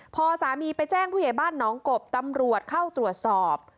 พอสามีไปแจ้งผู้ใหญ่บ้านน้องกบตำรวจเข้าตรวจสอบ